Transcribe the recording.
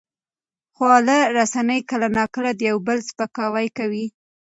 خواله رسنۍ کله ناکله د یو بل سپکاوی کوي.